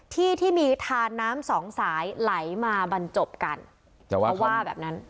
ที่ที่มีทานน้ำสองสายไหลมาบรรจบกันแต่ว่าเขาว่าแบบนั้น